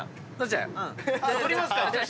撮りますか？